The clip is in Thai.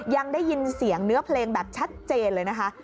ยังได้ยินเสียงเนื้อเพลงแบบชัดเจนเลยนะคะ